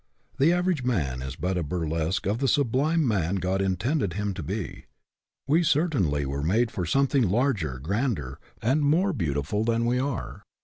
The average man is but a burlesque of the sublime man God intended him to be. We certainly were made for some thing larger, grander, and more beautiful than we are.